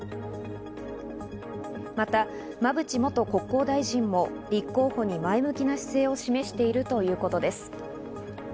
また馬淵元国交大臣も立候補に前向きな姿勢を示しているということです。